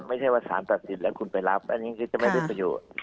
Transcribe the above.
ไม่ใช่ว่าสารตัดสินแล้วคุณไปรับอันนี้ก็จะไม่ได้ประโยชน์